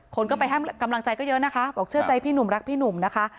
คนก็ไปให้กำลังใจก็เยอะนะคะบอกเชื่อใจพี่หนุ่มรักพี่หนุ่มนะคะ